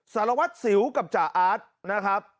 สารวัติศิลป์กับจ่าอาจนะครับ